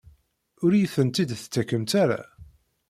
Ur iyi-tent-id-tettakemt ara?